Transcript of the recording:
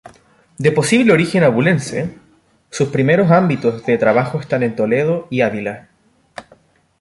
De posible origen abulense, sus primeros ámbitos de trabajo están en Toledo y Ávila.